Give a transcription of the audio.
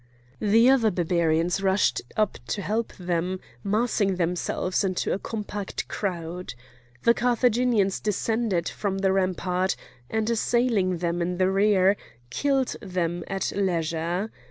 The other Barbarians rushed up to help them, massing themselves into a compact crowd. The Carthaginians descended from the rampart, and, assailing them in the rear, killed them at leisure.